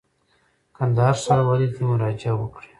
کندهار ښاروالۍ ته دي مراجعه وکړي.